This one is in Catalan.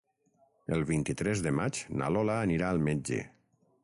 El vint-i-tres de maig na Lola anirà al metge.